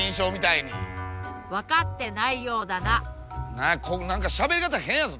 何や何かしゃべり方変やぞ。